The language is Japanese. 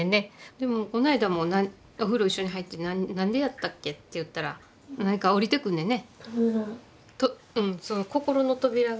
でもこの間もお風呂一緒に入って「何でやったっけ？」って言ったら何か降りてくんねんね。